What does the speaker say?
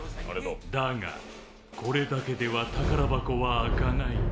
だが、これだけでは宝箱は開かない。